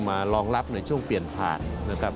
มารองรับในช่วงเปลี่ยนผ่าน